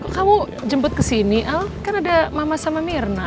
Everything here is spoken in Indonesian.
kamu jemput ke sini al kan ada mama sama mirna